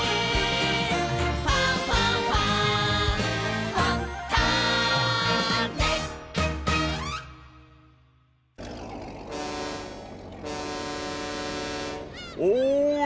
「ファンファンファン」おい！